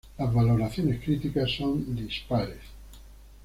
Las valoraciones críticas son dispares.